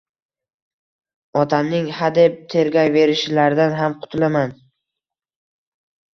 Otamning hadeb tergayverishlaridan ham qutulaman.